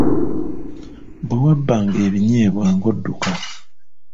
Bwe wabbanga ebinyeebwa ng’odduka.